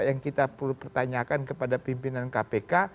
yang kita perlu pertanyakan kepada pimpinan kpk